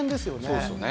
そうですよね。